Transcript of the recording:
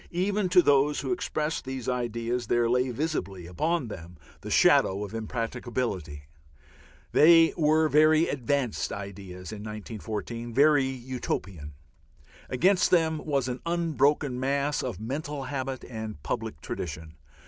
Even to those who expressed these ideas there lay visibly upon them the shadow of impracticability; they were very "advanced" ideas in 1914, very Utopian. Against them was an unbroken mass of mental habit and public tradition.